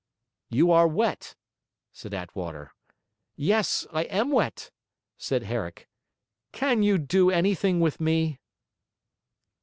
'You are wet,' said Attwater. 'Yes, I am wet,' said Herrick. 'Can you do anything with me?'